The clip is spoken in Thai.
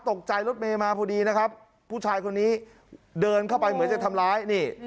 รถเมย์มาพอดีนะครับผู้ชายคนนี้เดินเข้าไปเหมือนจะทำร้ายนี่